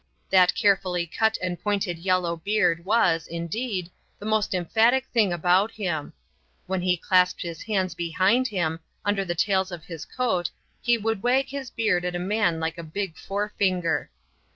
That carefully cut and pointed yellow beard was, indeed, the most emphatic thing about him. When he clasped his hands behind him, under the tails of his coat, he would wag his beard at a man like a big forefinger.